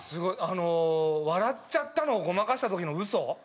あの笑っちゃったのをごまかした時のウソ。